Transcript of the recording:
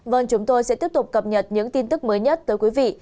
vâng chúng tôi sẽ tiếp tục cập nhật những tin tức mới nhất tới quý vị